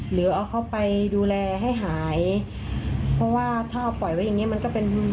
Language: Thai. หรือเอาเขาไปดูแลให้หายเพราะว่าถ้าปล่อยไว้อย่างงี้มันก็เป็น